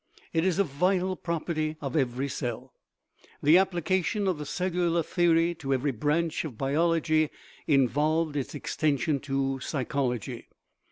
It is a vital prop erty of every cell. The application of the cellular the ory to every branch of biology involved its extension to psychology.